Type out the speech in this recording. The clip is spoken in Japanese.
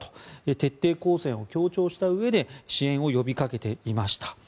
徹底抗戦を強調したうえで支援を呼び掛けていました。